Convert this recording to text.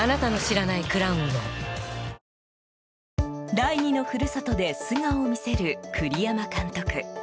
第二の故郷で素顔を見せる栗山監督。